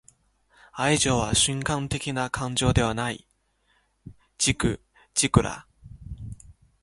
愛情は瞬間的な感情ではない.―ジグ・ジグラー―